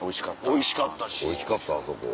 おいしかったなあそこ。